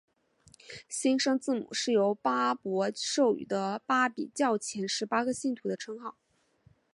新生字母是由巴孛授予的巴比教前十八个信徒的称号。